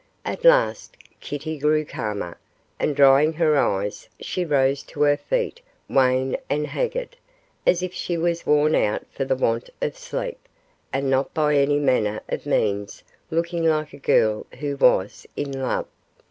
At last Kitty grew calmer, and drying her eyes, she rose to her feet wan and haggard, as if she was worn out for the want of sleep, and not by any manner of means looking like a girl who was in love.